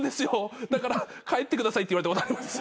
だから帰ってくださいって言われたことあります。